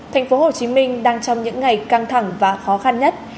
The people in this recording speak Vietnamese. thành phố hồ chí minh đang trong những ngày căng thẳng và khó khăn nhất